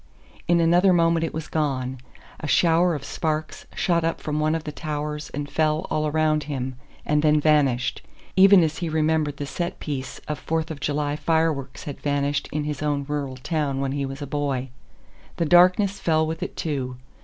In another moment it was gone; a shower of sparks shot up from one of the towers and fell all around him, and then vanished, even as he remembered the set piece of "Fourth of July" fireworks had vanished in his own rural town when he was a boy. The darkness fell with it too.